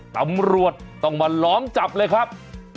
ตำรวจต้องมาล้อมจับเลยครับ